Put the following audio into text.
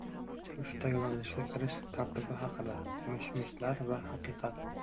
Uchta yo‘nalishga kirish tartibi haqida: mish-mishlar va haqiqat